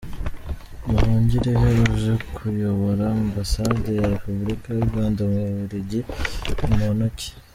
Nduhungirehe uje kuyobora Ambasade ya Repubulika y’ u Rwanda mu bubiligi ni muntu ki?.